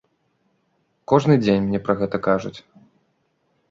Кожны дзень мне пра гэта кажуць.